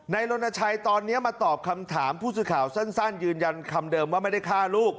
รณชัยตอนนี้มาตอบคำถามผู้สื่อข่าวสั้นยืนยันคำเดิมว่าไม่ได้ฆ่าลูก